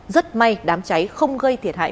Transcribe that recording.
rất may đám cháy không gây thiệt hại